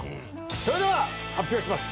それでは発表します。